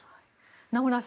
名村さん